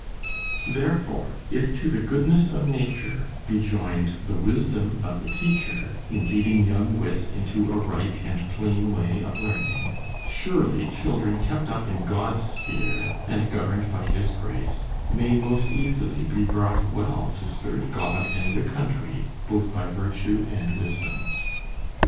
Therefore, if to the goodness of nature be joined the wisdom of the teacher, in leading young wits into a right and plain way of learning; surely children kept up in God's fear, and governed by His grace, may most easily be brought well to serve God and their country, both by virtue and wisdom.